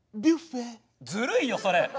ずるいよそれ！